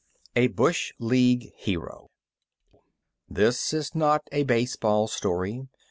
IV A BUSH LEAGUE HERO This is not a baseball story.